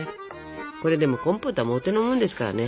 これでもコンポートはもうお手のもんですからね。